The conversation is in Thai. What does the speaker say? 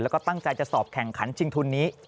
แล้วก็ตั้งใจจะสอบแข่งขันชิงทุนนี้